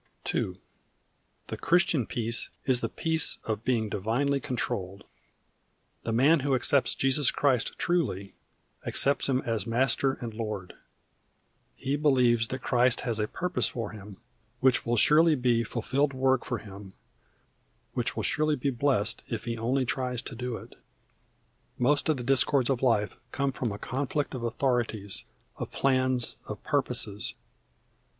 II. The Christian peace is the peace of being divinely controlled. The man who accepts Jesus Christ truly, accepts Him as Master and Lord. He believes that Christ has a purpose for him, which will surely be fulfilled? work for him, which will surely be blessed if he only tries to do it. Most of the discords of life come from a conflict of authorities, of plans, of purposes.